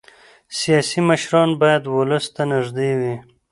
سیاسي مشران باید ولس ته نږدې وي